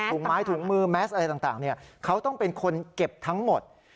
ไม้ถุงมือแมสอะไรต่างเขาต้องเป็นคนเก็บทั้งหมด